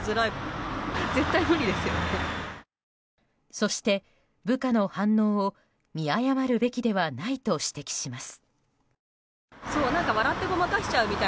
そして部下の反応を見誤るべきではないと指摘します。